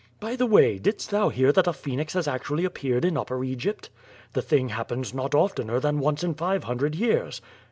By the way, didst thou hear that a phoenix has actually appeared in Upper Egypt? The thing happens not of tener than once in five hundred years."